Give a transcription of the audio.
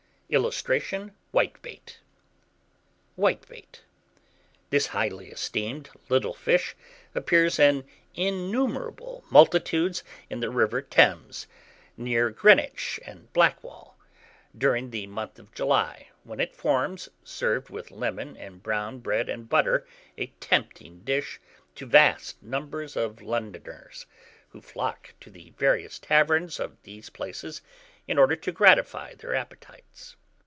[Illustration: WHITEBAIT.] WHITEBAIT. This highly esteemed little fish appears in innumerable multitudes in the river Thames, near Greenwich and Blackwall, during the month of July, when it forms, served with lemon and brown bread and butter, a tempting dish to vast numbers of Londoners, who flock to the various taverns of these places, in order to gratify their appetites.